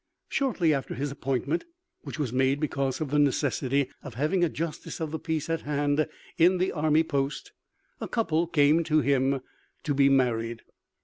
Shortly after his appointment, which was made because of the necessity of having a justice of the peace at hand in the army post, a couple came to him to be married.